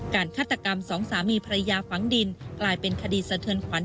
ฆาตกรรมสองสามีภรรยาฝังดินกลายเป็นคดีสะเทือนขวัญ